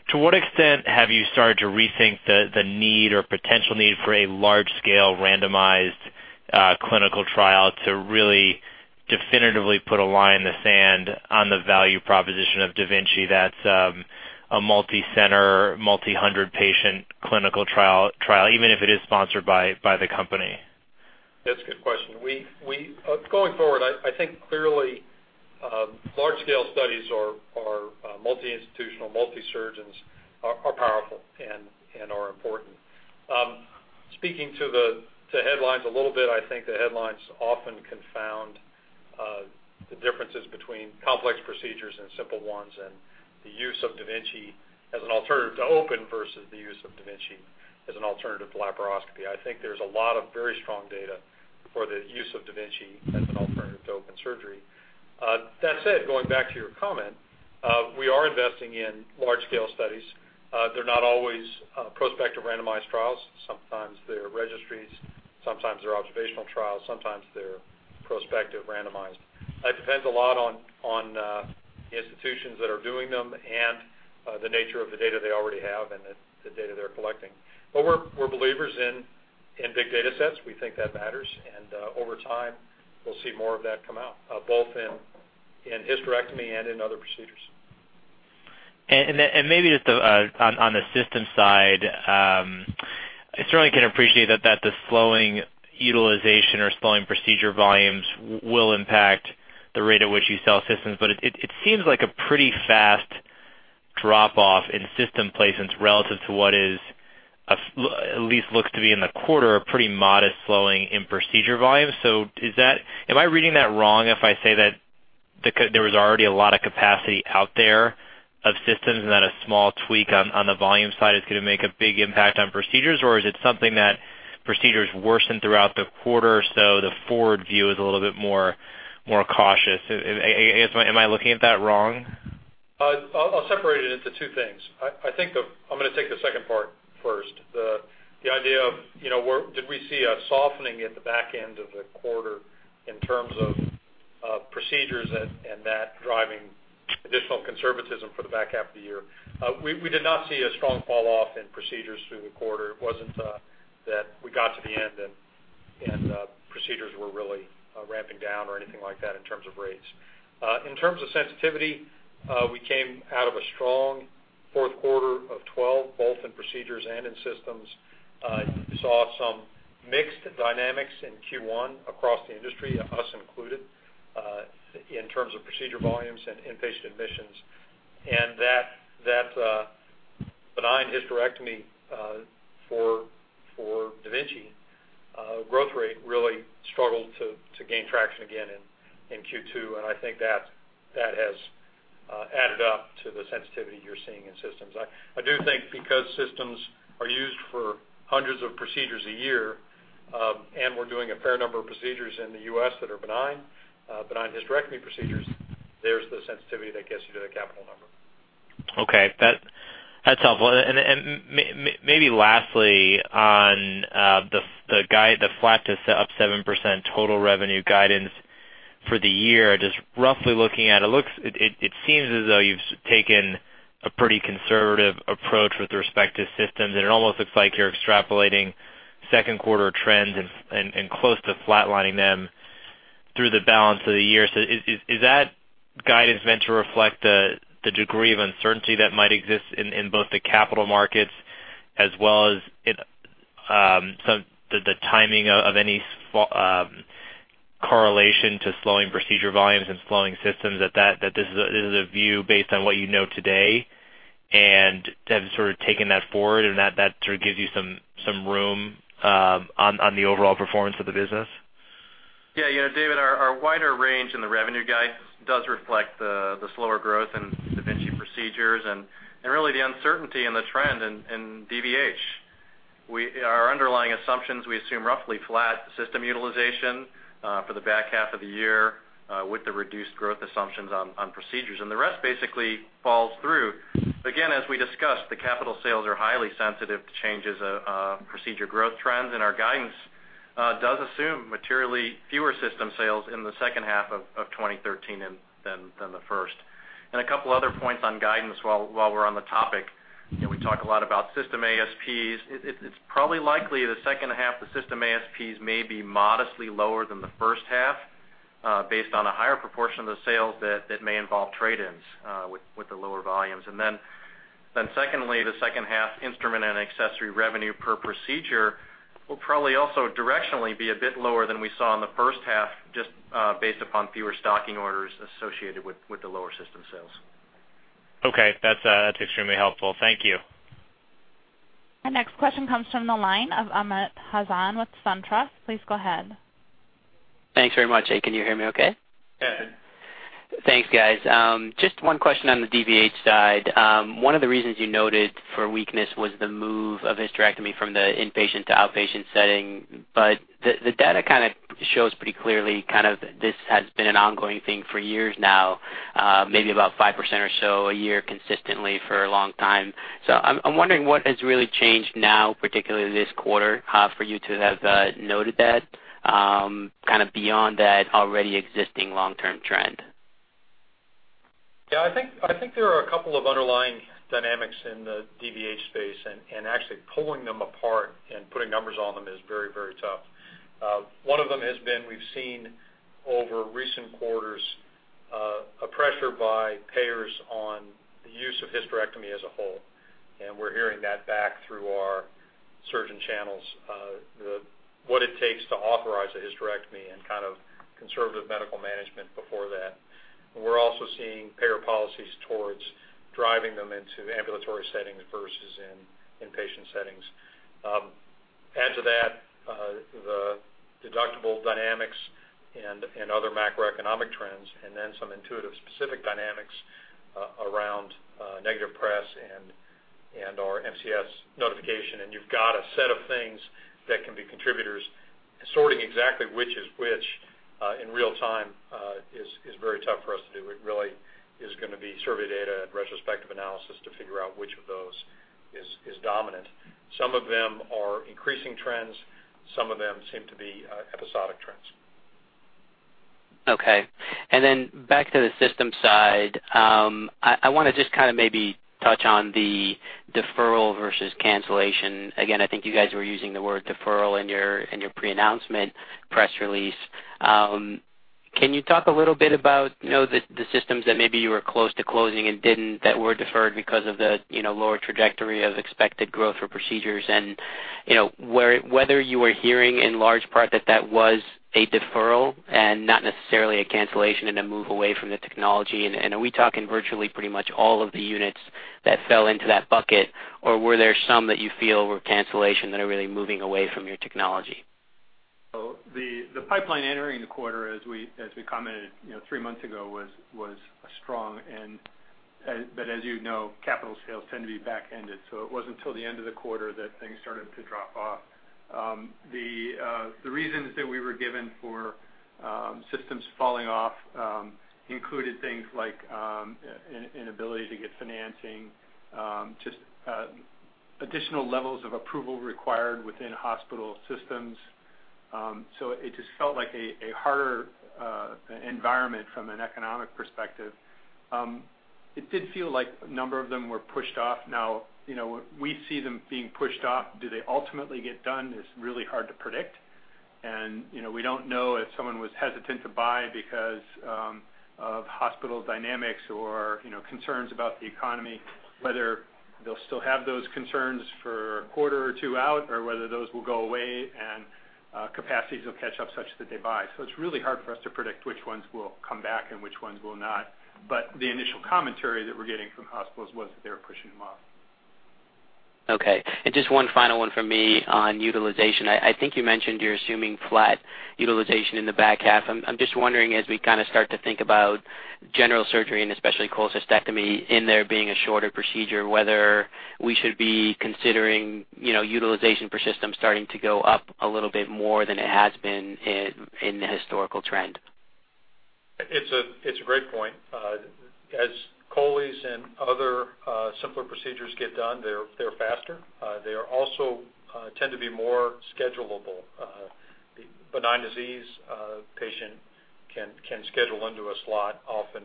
to what extent have you started to rethink the need or potential need for a large-scale randomized clinical trial to really definitively put a line in the sand on the value proposition of da Vinci that's a multicenter, multi-hundred patient clinical trial, even if it is sponsored by the company? That's a good question. Going forward, I think clearly large scale studies are multi-institutional, multi-surgeons are powerful and are important. Speaking to the headlines a little bit, I think the headlines often confound the differences between complex procedures and simple ones, and the use of da Vinci as an alternative to open versus the use of da Vinci as an alternative to laparoscopy. I think there's a lot of very strong data for the use of da Vinci as an alternative to open surgery. That said, going back to your comment, we are investing in large scale studies. They're not always prospective randomized trials. Sometimes they're registries, sometimes they're observational trials, sometimes they're prospective randomized. It depends a lot on the institutions that are doing them and the nature of the data they already have and the data they're collecting. We're believers in big data sets. We think that matters, over time, we'll see more of that come out, both in hysterectomy and in other procedures. Maybe just on the system side, I certainly can appreciate that the slowing utilization or slowing procedure volumes will impact the rate at which you sell systems, it seems like a pretty fast drop-off in system placements relative to what at least looks to be in the quarter, a pretty modest slowing in procedure volume. Am I reading that wrong if I say that there was already a lot of capacity out there of systems and that a small tweak on the volume side is going to make a big impact on procedures? Or is it something that procedures worsened throughout the quarter, so the forward view is a little bit more cautious? Am I looking at that wrong? I'll separate it into two things. I'm going to take the second part first. The idea of did we see a softening at the back end of the quarter in terms of procedures and that driving additional conservatism for the back half of the year? We did not see a strong fall off in procedures through the quarter. Procedures were really ramping down or anything like that in terms of rates. In terms of sensitivity, we came out of a strong fourth quarter of 2012, both in procedures and in systems. Saw some mixed dynamics in Q1 across the industry, us included, in terms of procedure volumes and inpatient admissions. That benign hysterectomy for da Vinci growth rate really struggled to gain traction again in Q2, I think that has added up to the sensitivity you're seeing in systems. I do think because systems are used for hundreds of procedures a year, and we're doing a fair number of procedures in the U.S. that are benign hysterectomy procedures, there's the sensitivity that gets you to the capital number. Okay. That's helpful. Maybe lastly, on the [flat to 7%] total revenue guidance for the year, just roughly looking at it seems as though you've taken a pretty conservative approach with respect to systems, and it almost looks like you're extrapolating second quarter trends and close to flatlining them through the balance of the year. Is that guidance meant to reflect the degree of uncertainty that might exist in both the capital markets as well as the timing of any correlation to slowing procedure volumes and slowing systems, that this is a view based on what you know today and have sort of taken that forward and that sort of gives you some room on the overall performance of the business? Yeah, David, our wider range in the revenue guide does reflect the slower growth in da Vinci procedures and really the uncertainty in the trend in DVH. Our underlying assumptions, we assume roughly flat system utilization for the back half of the year with the reduced growth assumptions on procedures, and the rest basically falls through. Again, as we discussed, the capital sales are highly sensitive to changes of procedure growth trends. Our guidance does assume materially fewer system sales in the second half of 2013 than the first. A couple other points on guidance while we're on the topic. We talk a lot about system ASPs. It's probably likely the second half the system ASPs may be modestly lower than the first half based on a higher proportion of the sales that may involve trade-ins with the lower volumes. Secondly, the second half Instruments and Accessories revenue per procedure will probably also directionally be a bit lower than we saw in the first half, just based upon fewer stocking orders associated with the lower system sales. Okay. That's extremely helpful. Thank you. Our next question comes from the line of Amit Hazan with SunTrust. Please go ahead. Thanks very much. Can you hear me okay? Yeah. Thanks, guys. Just one question on the DVH side. One of the reasons you noted for weakness was the move of hysterectomy from the inpatient to outpatient setting. The data kind of shows pretty clearly this has been an ongoing thing for years now, maybe about 5% or so a year consistently for a long time. I'm wondering what has really changed now, particularly this quarter, for you to have noted that kind of beyond that already existing long-term trend. Yeah, I think there are a couple of underlying dynamics in the DVH space. Actually pulling them apart and putting numbers on them is very tough. One of them has been, we've seen over recent quarters, a pressure by payers on the use of hysterectomy as a whole. We're hearing that back through our surgeon channels, what it takes to authorize a hysterectomy and kind of conservative medical management before that. We're also seeing payer policies towards driving them into ambulatory settings versus in inpatient settings. Add to that the deductible dynamics and other macroeconomic trends and then some Intuitive specific dynamics around negative press and/or MCS notification, and you've got a set of things that can be contributors. Sorting exactly which is which in real time is very tough for us to do. It really is going to be survey data and retrospective analysis to figure out which of those is dominant. Some of them are increasing trends, some of them seem to be episodic trends. Okay. Back to the system side. I want to just kind of maybe touch on the deferral versus cancellation. I think you guys were using the word deferral in your pre-announcement press release. Can you talk a little bit about the systems that maybe you were close to closing and didn't, that were deferred because of the lower trajectory of expected growth for procedures and whether you were hearing in large part that that was a deferral and not necessarily a cancellation and a move away from the technology, and are we talking virtually pretty much all of the units that fell into that bucket, or were there some that you feel were cancellation that are really moving away from your technology? The pipeline entering the quarter, as we commented three months ago, was strong, but as you know, capital sales tend to be back-ended. It wasn't until the end of the quarter that things started to drop off. The reasons that we were given for systems falling off included things like inability to get financing, just additional levels of approval required within hospital systems. It just felt like a harder environment from an economic perspective. It did feel like a number of them were pushed off. Now, we see them being pushed off. Do they ultimately get done? It's really hard to predict. We don't know if someone was hesitant to buy because of hospital dynamics or concerns about the economy, whether they'll still have those concerns for a quarter or two out or whether those will go away and capacities will catch up such that they buy. It's really hard for us to predict which ones will come back and which ones will not. The initial commentary that we're getting from hospitals was that they were pushing them off. Okay. Just one final one from me on utilization. I think you mentioned you're assuming flat utilization in the back half. I'm just wondering, as we start to think about general surgery and especially cholecystectomy in there being a shorter procedure, whether we should be considering utilization per system starting to go up a little bit more than it has been in the historical trend. It's a great point. As chole and other simpler procedures get done, they also tend to be more schedulable. Benign disease patient can schedule into a slot often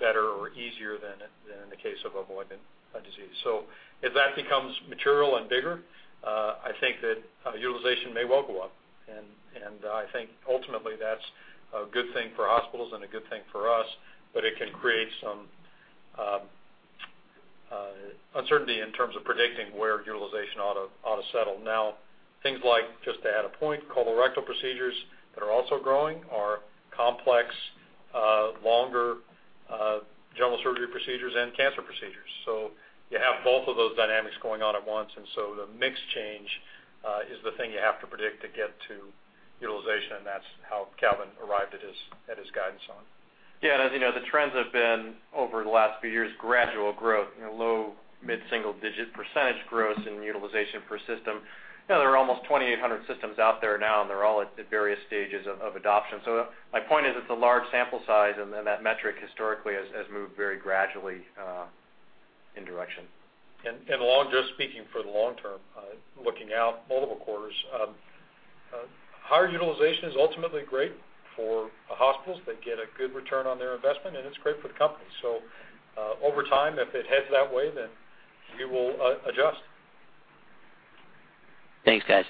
better or easier than in the case of a malignant disease. If that becomes material and bigger, I think that utilization may well go up. I think ultimately that's a good thing for hospitals and a good thing for us. It can create some uncertainty in terms of predicting where utilization ought to settle. Things like, just to add a point, colorectal procedures that are also growing are complex, longer general surgery procedures and cancer procedures. You have both of those dynamics going on at once, the mix change is the thing you have to predict to get to utilization, and that's how Calvin arrived at his guidance on. As you know, the trends have been over the last few years gradual growth, low-mid single-digit percentage growth in utilization per system. There are almost 2,800 systems out there now, and they're all at various stages of adoption. My point is it's a large sample size, that metric historically has moved very gradually in direction. Just speaking for the long term, looking out multiple quarters, higher utilization is ultimately great for hospitals. They get a good return on their investment, it's great for the company. Over time, if it heads that way, we will adjust. Thanks, guys.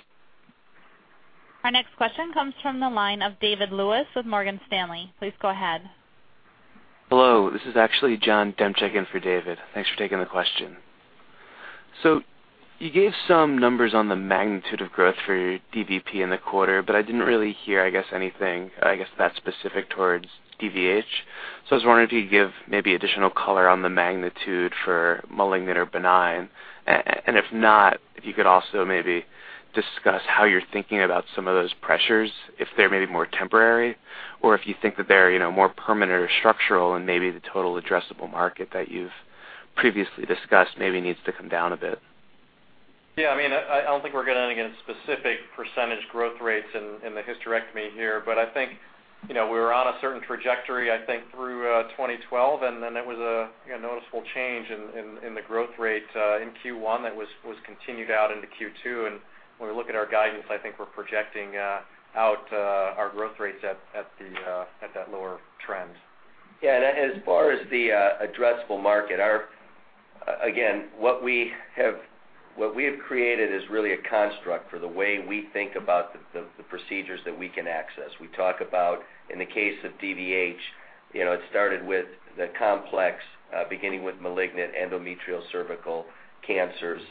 Our next question comes from the line of David Lewis with Morgan Stanley. Please go ahead. Hello. This is actually John Demchick in for David. Thanks for taking the question. You gave some numbers on the magnitude of growth for your DVP in the quarter, but I didn't really hear, I guess, anything, I guess, that specific towards DVH. I was wondering if you could give maybe additional color on the magnitude for malignant or benign. If not, if you could also maybe discuss how you're thinking about some of those pressures, if they're maybe more temporary, or if you think that they're more permanent or structural and maybe the total addressable market that you've previously discussed maybe needs to come down a bit. I don't think we're going to get into specific % growth rates in the hysterectomy here. I think we were on a certain trajectory, I think through 2012, then there was a noticeable change in the growth rate in Q1 that was continued out into Q2. When we look at our guidance, I think we're projecting out our growth rates at that lower trend. As far as the addressable market, again, what we have created is really a construct for the way we think about the procedures that we can access. We talk about in the case of DVH, it started with the complex, beginning with malignant endometrial cervical cancers,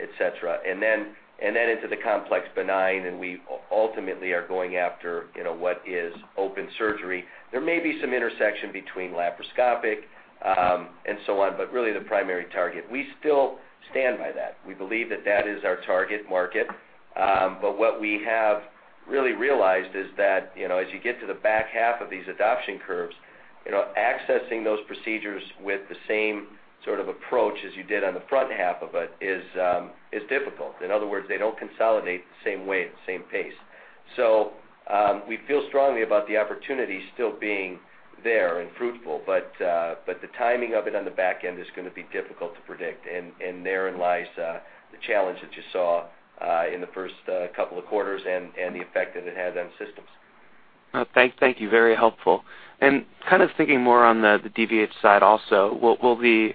et cetera, then into the complex benign, and we ultimately are going after what is open surgery. There may be some intersection between laparoscopic and so on, but really the primary target. We still stand by that. We believe that that is our target market. What we have really realized is that as you get to the back half of these adoption curves, accessing those procedures with the same sort of approach as you did on the front half of it is difficult. In other words, they don't consolidate the same way at the same pace. We feel strongly about the opportunity still being there and fruitful, but the timing of it on the back end is going to be difficult to predict, and therein lies the challenge that you saw in the first couple of quarters and the effect that it had on systems. Thank you. Very helpful. Kind of thinking more on the DVH side also, will the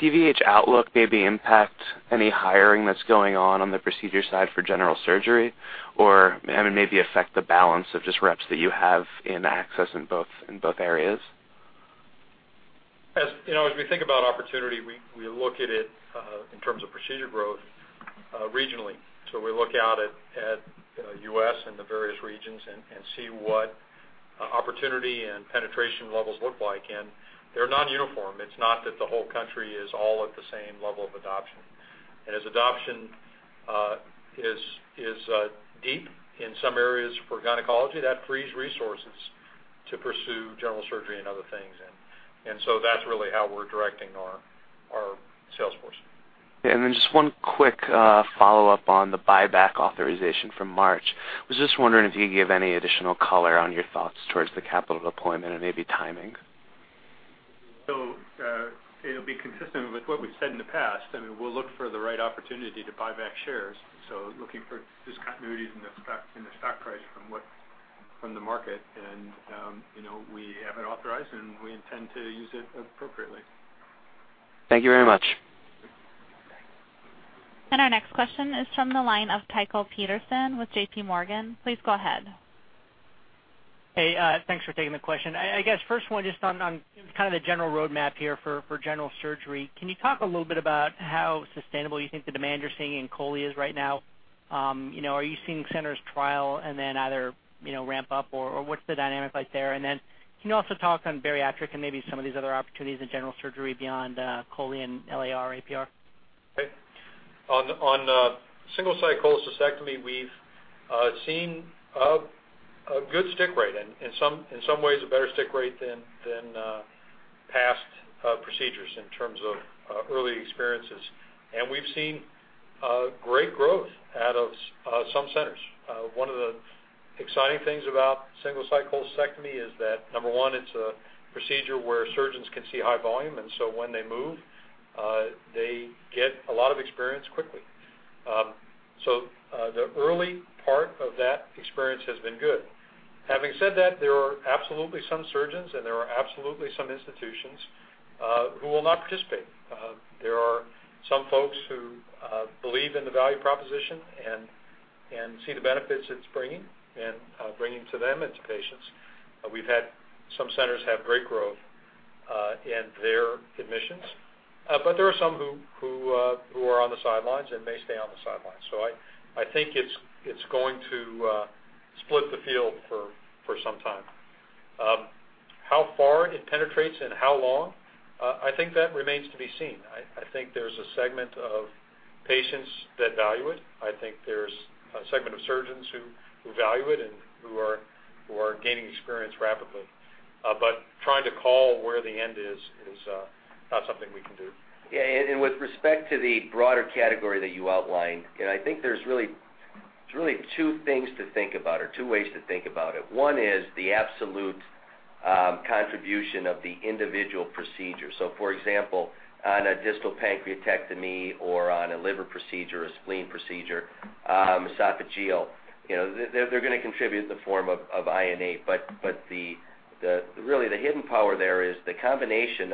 DVH outlook maybe impact any hiring that's going on the procedure side for general surgery? Or maybe affect the balance of just reps that you have in accessing in both areas? As we think about opportunity, we look at it in terms of procedure growth regionally. We look out at U.S. and the various regions and see what opportunity and penetration levels look like. They're not uniform. It's not that the whole country is all at the same level of adoption. As adoption is deep in some areas for gynecology, that frees resources to pursue general surgery and other things. That's really how we're directing our sales force. Yeah, just one quick follow-up on the buyback authorization from March. Was just wondering if you could give any additional color on your thoughts towards the capital deployment and maybe timing. It'll be consistent with what we've said in the past, and we'll look for the right opportunity to buy back shares. Looking for discontinuities in the stock price from what From the market, we have it authorized, and we intend to use it appropriately. Thank you very much. Our next question is from the line of Tycho Peterson with JPMorgan. Please go ahead. Thanks for taking the question. I guess first one, just on kind of the general roadmap here for general surgery, can you talk a little bit about how sustainable you think the demand you're seeing in chole is right now? Are you seeing centers trial and then either ramp up, or what's the dynamic like there? Then can you also talk on bariatric and maybe some of these other opportunities in general surgery beyond chole and LAR/APR? Okay. On Single-Site cholecystectomy, we've seen a good stick rate, in some ways a better stick rate than past procedures in terms of early experiences. We've seen great growth out of some centers. One of the exciting things about Single-Site cholecystectomy is that, number one, it's a procedure where surgeons can see high volume, so when they move, they get a lot of experience quickly. The early part of that experience has been good. Having said that, there are absolutely some surgeons, and there are absolutely some institutions who will not participate. There are some folks who believe in the value proposition and see the benefits it's bringing, and bringing to them and to patients. We've had some centers have great growth in their admissions. There are some who are on the sidelines and may stay on the sidelines. I think it's going to split the field for some time. How far it penetrates and how long, I think that remains to be seen. I think there's a segment of patients that value it. I think there's a segment of surgeons who value it and who are gaining experience rapidly. Trying to call where the end is not something we can do. Yeah, with respect to the broader category that you outlined, I think there's really two things to think about or two ways to think about it. One is the absolute contribution of the individual procedure. For example, on a distal pancreatectomy or on a liver procedure or spleen procedure, esophageal, they're going to contribute in the form of I&A. Really the hidden power there is the combination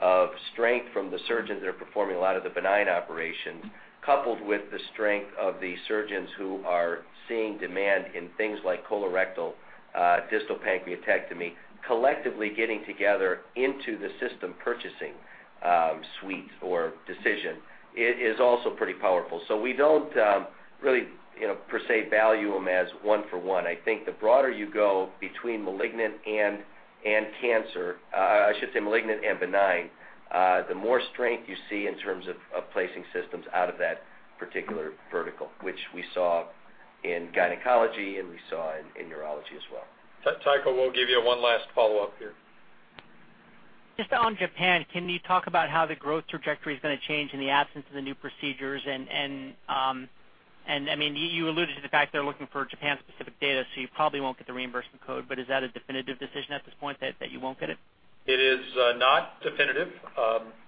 of strength from the surgeons that are performing a lot of the benign operations, coupled with the strength of the surgeons who are seeing demand in things like colorectal distal pancreatectomy, collectively getting together into the system purchasing suite or decision. It is also pretty powerful. We don't really per se value them as one for one. I think the broader you go between malignant and cancer, I should say malignant and benign, the more strength you see in terms of placing systems out of that particular vertical, which we saw in gynecology and we saw in urology as well. Tycho, we'll give you one last follow-up here. Just on Japan, can you talk about how the growth trajectory is going to change in the absence of the new procedures? You alluded to the fact they're looking for Japan-specific data, so you probably won't get the reimbursement code. Is that a definitive decision at this point that you won't get it? It is not definitive.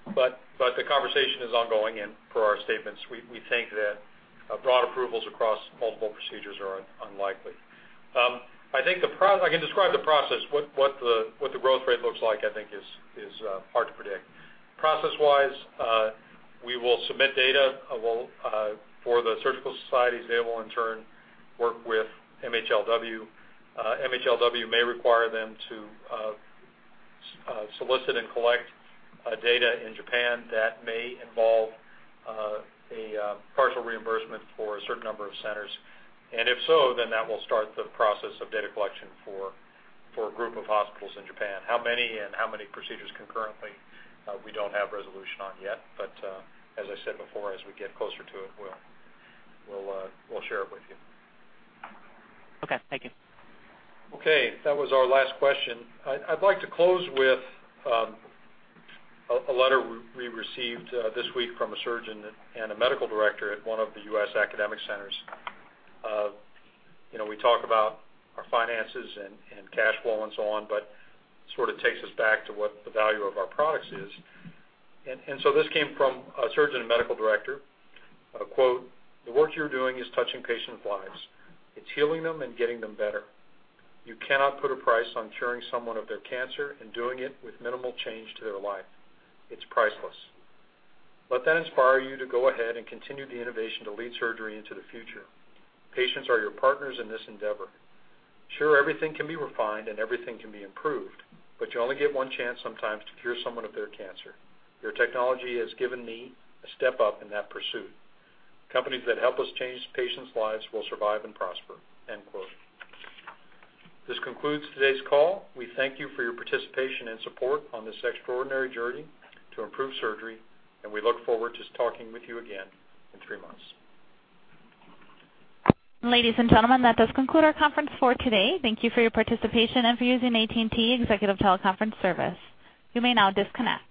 The conversation is ongoing and per our statements, we think that broad approvals across multiple procedures are unlikely. I can describe the process. What the growth rate looks like, I think is hard to predict. Process-wise, we will submit data for the surgical societies. They will in turn work with MHLW. MHLW may require them to solicit and collect data in Japan that may involve a partial reimbursement for a certain number of centers. If so, that will start the process of data collection for a group of hospitals in Japan. How many and how many procedures concurrently, we don't have resolution on yet. As I said before, as we get closer to it, we'll share it with you. Okay. Thank you. Okay, that was our last question. I'd like to close with a letter we received this week from a surgeon and a medical director at one of the U.S. academic centers. We talk about our finances and cash flow and so on, but sort of takes us back to what the value of our products is. This came from a surgeon and medical director. Quote, "The work you're doing is touching patients' lives. It's healing them and getting them better. You cannot put a price on curing someone of their cancer and doing it with minimal change to their life. It's priceless. Let that inspire you to go ahead and continue the innovation to lead surgery into the future. Patients are your partners in this endeavor. Sure, everything can be refined, and everything can be improved, but you only get one chance sometimes to cure someone of their cancer. Your technology has given me a step up in that pursuit. Companies that help us change patients' lives will survive and prosper." End quote. This concludes today's call. We thank you for your participation and support on this extraordinary journey to improve surgery, and we look forward to talking with you again in three months. Ladies and gentlemen, that does conclude our conference for today. Thank you for your participation and for using AT&T Executive TeleConference Service. You may now disconnect.